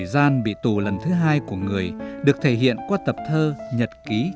thời gian bị tù lần thứ hai của người được thể hiện qua tập thơ nhật ký trong tù